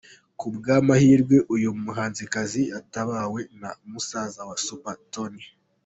Ku bw’amahirwe, uyu muhanzikazi yatabawe na musaza we Super Tony.